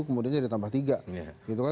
jadi ditambah tiga